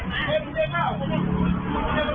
มีใจที่น้องนี้ต้องจบ